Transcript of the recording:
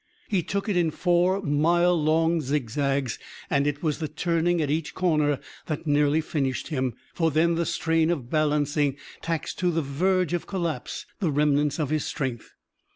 He took it in four mile long zigzags, and it was the turning at each corner that nearly finished him, for then the strain of balancing taxed to the verge of collapse the remnants of his strength.